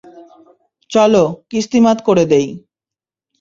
চলো, কিস্তিমাত করে দেই!